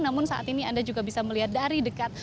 namun saat ini anda juga bisa melihat dari dekat